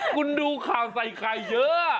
คุณดูข่าวใส่ไข่เยอะ